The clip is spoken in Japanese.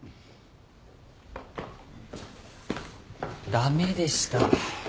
駄目でした。